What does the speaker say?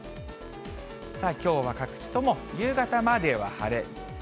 さあ、きょうは各地とも夕方までは晴れ。